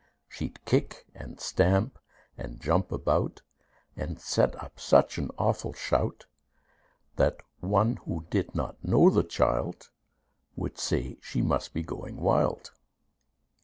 She'd kick and stamp, and jump about, And set up such an awful shout, That one who did not know the child, Would say she must be going wild.